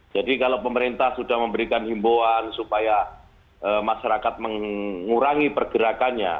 jadi kalau pemerintah sudah memberikan himbawan supaya masyarakat mengurangi pergerakan